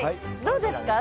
どうですか？